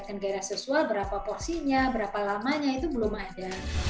kegiatan gairah seksual berapa porsinya berapa lamanya itu belum ada